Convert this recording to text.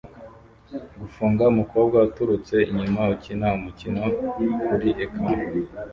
Gufunga umukobwa uturutse inyuma ukina umukino kuri ecran